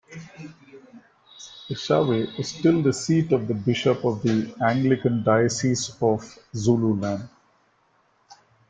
Eshowe is still the seat of the Bishop of the Anglican Diocese of Zululand.